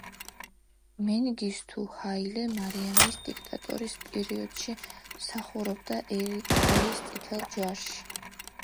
მენგისთუ ჰაილე მარიამის დიქტატურის პერიოდში მსახურობდა ერიტრეის წითელ ჯვარში.